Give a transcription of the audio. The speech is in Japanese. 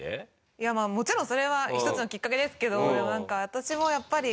いやまあもちろんそれは一つのきっかけですけどでもなんか私もやっぱり。